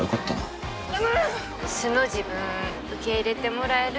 素の自分受け入れてもらえるって自信ある？